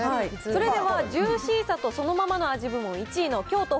それでは、ジューシーさとそのままの味部門１位の京都鳳